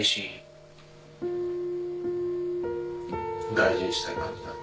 大事にしたい感じなの？